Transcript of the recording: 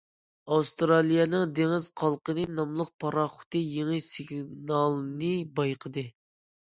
ئاۋسترالىيەنىڭ« دېڭىز قالقىنى» ناملىق پاراخوتى يېڭى سىگنالنى بايقىدى.